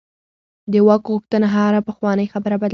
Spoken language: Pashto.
د واک غوښتنه هره پخوانۍ خبره بدلوي.